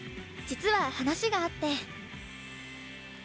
実は話があって。